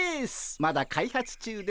まだ開発中ですが。